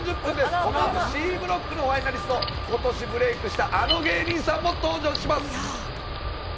このあとＣブロックのファイナリスト、ことしブレークしたあの芸人さんも登場します。